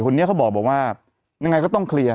คนนี้เขาบอกว่ายังไงก็ต้องเคลียร์